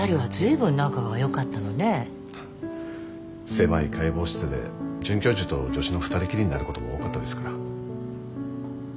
狭い解剖室で准教授と助手の２人きりになることも多かったですから。